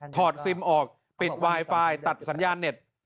ซิมออกปิดไวไฟตัดสัญญาณเน็ต